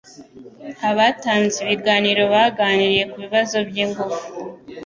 Abatanze ibiganiro baganiriye ku bibazo by'ingufu.